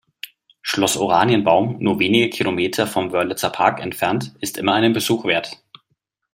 Schloss Oranienbaum, nur wenige Kilometer vom Wörlitzer Park entfernt, ist immer einen Besuch wert.